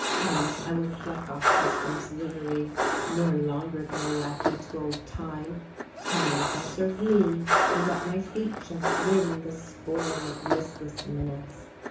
Come, I will pluck off custom's livery, Nor longer be a lackey to old Time. Time shall serve me, and at my feet shall fling The spoil of listless minutes.